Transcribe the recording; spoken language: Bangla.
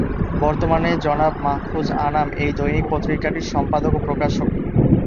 বর্তমানে জনাব মাহফুজ আনাম এই দৈনিক পত্রিকাটির সম্পাদক ও প্রকাশক।